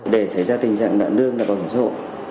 để xảy ra tình trạng nợ lương và bảo hiểm xã hội